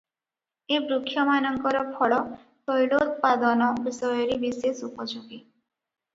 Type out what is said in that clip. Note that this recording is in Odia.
ଏ ବୃକ୍ଷମାନଙ୍କର ଫଳ ତୈଳୋତ୍ପାଦନ ବିଷୟରେ ବିଶେଷ ଉପଯୋଗୀ ।